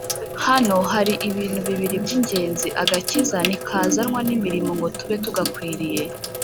Hano hari ibintu bibiri by'ingenziAgakiza ntikazanwa n'imirimo ngo tube tugakwiriye